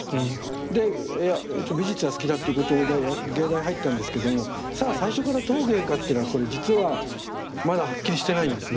で美術が好きだっていうことで芸大入ったんですけどもさあ最初から陶芸かっていうのはこれ実はまだはっきりしてないんですね。